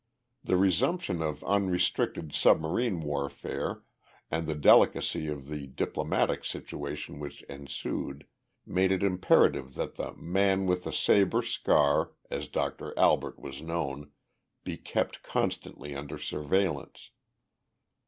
The resumption of unrestricted submarine warfare and the delicacy of the diplomatic situation which ensued made it imperative that the "man with the saber scar," as Doctor Albert was known, be kept constantly under surveillance.